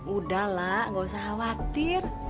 udahlah gak usah khawatir